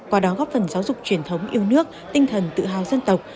qua đó góp phần giáo dục truyền thống yêu nước tinh thần tự hào dân tộc